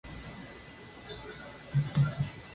Fue enterrado en la parroquia de san Lorenzo.